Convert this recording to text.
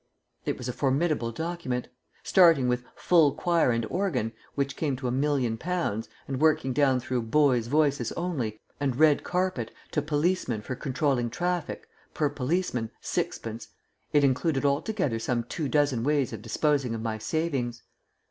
It was a formidable document. Starting with "full choir and organ" which came to a million pounds, and working down through "boys' voices only," and "red carpet" to "policemen for controlling traffic per policeman, 5s.," it included altogether some two dozen ways of disposing of my savings.